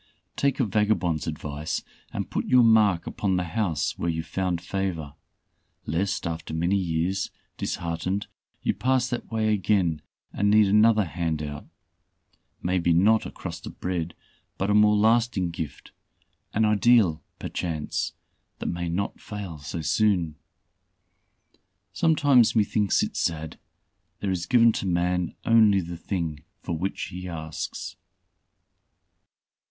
Take a vagabond's advice, and put your mark upon the house where you found favor, lest after many years, disheartened, you pass that way again and need another 'handout' maybe not a crust of bread, but, a more lasting gift an ideal perchance, that may not fail so soon. Sometimes methinks it sad, there is given to man only the thing for which he asks.